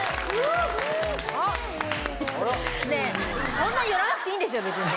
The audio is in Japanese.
そんな寄らなくていいんですよ別に。